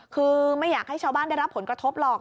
คือไม่อยากให้ชาวบ้านได้รับผลกระทบหรอก